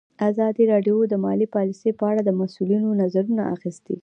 ازادي راډیو د مالي پالیسي په اړه د مسؤلینو نظرونه اخیستي.